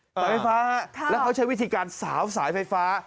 ไฟฟ้าแล้วเขาใช้วิธีการสาวสายไฟฟ้า